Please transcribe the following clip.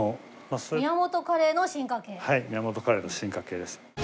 宮本カレーの進化系です